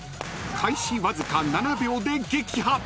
［開始わずか７秒で撃破］